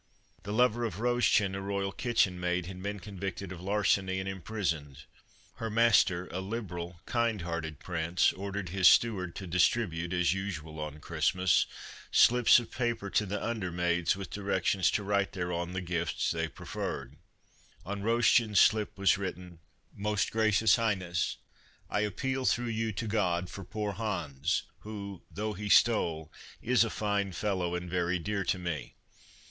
The lover of Roschen, a royal kitchen maid, had been convicted of larceny and imprisoned. Her master, a liberal, kind hearted prince, ordered his Christmas Under Three Hags steward to distribute, as usual on Christmas, slips of paper to the under maids with directions to write thereon the gifts they preferred. On Roschen's slip was written: "Most gracious highness: I appeal through you to God for poor Hans, who, though he stole, is a fine fellow and very dear to me.